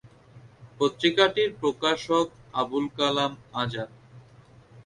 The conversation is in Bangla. পত্রিকাটির প্রকাশক আবুল কালাম আজাদ।